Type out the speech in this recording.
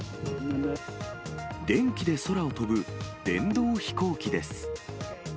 電気で空を飛ぶ電動飛行機です。